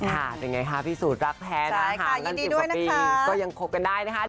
เป็นไงคะพี่สูจนรักแท้นะคะห่างกัน๑๐กว่าปีก็ยังคบกันได้นะคะ